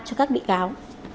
cho các bị cáo